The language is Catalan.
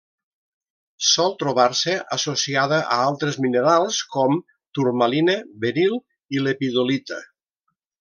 Sol trobar-se associada a altres minerals com: turmalina, beril i lepidolita.